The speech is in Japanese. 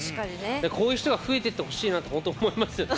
でこういう人が増えてってほしいなってほんと思いますよね。